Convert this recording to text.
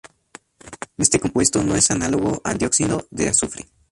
Este compuesto no es análogo al dióxido de azufre.